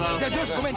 ごめん。